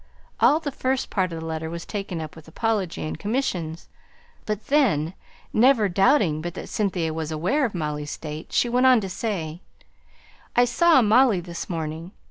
All the first part of the letter was taken up with apology and commissions; but then, never doubting but that Cynthia was aware of Molly's state, she went on to say "I saw Molly this morning.